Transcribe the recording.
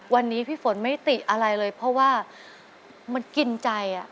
วันนี้พี่ฝนไม่ติอะไรเลยเพราะว่ามันกินใจ